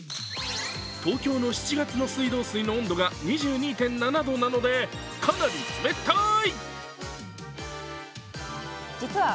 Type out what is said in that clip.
東京の７月の水道水の温度が２２．７度なので、かなり冷たい。